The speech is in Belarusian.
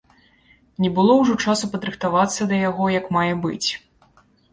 Не было ўжо часу падрыхтавацца да яго як мае быць.